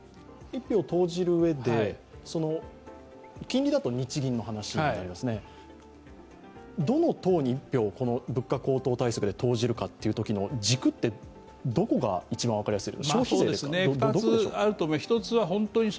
１票を投じる上で金利だと日銀の話になりますね、どの党に物価高騰対策で投じるかっていうときに軸って、どこが一番分かりやすい？